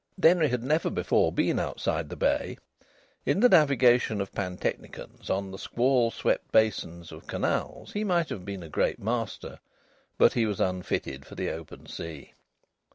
Denry had never before been outside the bay. In the navigation of pantechnicons on the squall swept basins of canals he might have been a great master, but he was unfitted for the open sea.